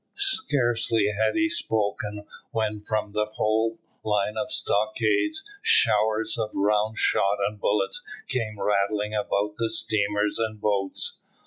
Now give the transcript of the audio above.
Scarcely had he spoken when, from the whole line of stockades, showers of round shot and bullets came rattling about the steamers and boats.